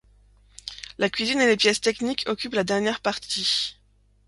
La cuisine et les pièces techniques occupent la dernière partie.